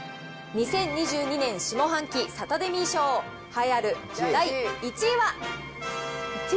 ２０２２年下半期サタデミー賞、栄えある第１位は。